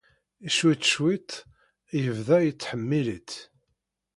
Cwiṭ, cwiṭ, yebda yettḥemmil-itt.